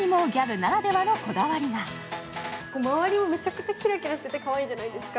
周りもめちゃくちゃキラキラしててかわいいじゃないですか。